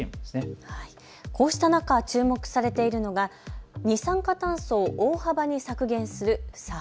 こうした中、注目されているのが二酸化炭素を大幅に削減するＳＡＦ。